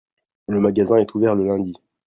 le magazin est ouvert le lundi.